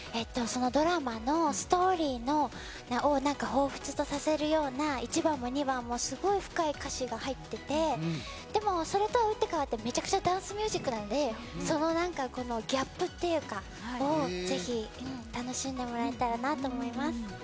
ドラマのストーリーを彷彿とさせるような１番も２番もすごい深い歌詞が入っていてでも、それと打って変わってダンスミュージックなのでそのギャップというか、それをぜひ楽しんでもらえたらなと思います。